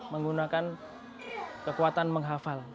menggunakan kekuatan menghafal